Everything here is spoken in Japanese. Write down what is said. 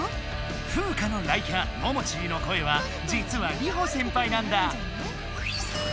フウカの雷キャモモチーの声はじつはリホ先輩なんだ。